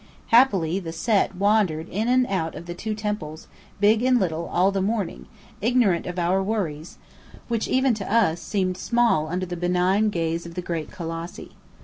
Happily the Set wandered in and out of the two temples, big and little, all the morning, ignorant of our worries which, even to us, seemed small under the benign gaze of the great Colossi.